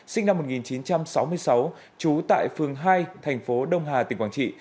sinh năm một nghìn chín trăm sáu mươi sáu trú tại phường hai thành phố đông hà tỉnh quảng trị